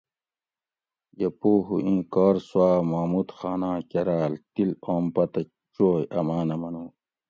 یہ پو ہُو ایں کار سوآۤ محمود خاناں کراۤل تِل آم پتہ چوئے امانہ منو